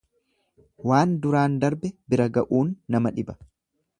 Waan duraan darbe bira ga'uun nama dhiba.